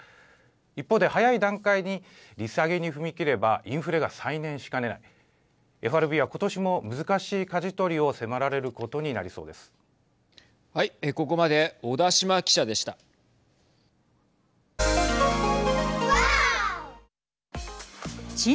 一方で早い段階で利下げに踏み切ればインフレが再燃しかねないＦＲＢは今年も難しいかじ取りを迫られることになりそうです。